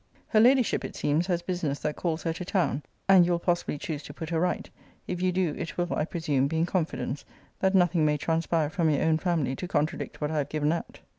Her Ladyship, it seems, has business that calls her to town [and you will possibly choose to put her right. If you do, it will, I presume, be in confidence; that nothing may transpire from your own family to contradict what I have given out.